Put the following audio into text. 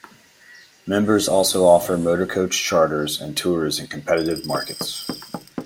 Members also offer motorcoach charters and tours in competitive markets.